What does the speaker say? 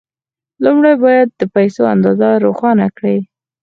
لومړی باید د پيسو اندازه روښانه کړئ.